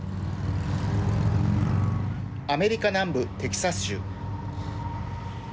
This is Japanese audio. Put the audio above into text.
アメリカ南部テキサス州。